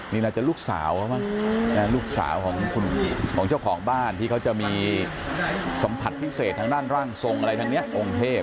นี่น่าจะลูกสาวเขาบ้างลูกสาวของเจ้าของบ้านที่เขาจะมีสัมผัสพิเศษทางด้านร่างทรงอะไรทางนี้องค์เทพ